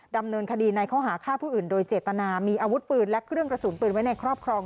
ดำเนินคดีในข้อหาฆ่าผู้อื่นโดยเจตนามีอาวุธปืนและเครื่องกระสุนปืนไว้ในครอบครอง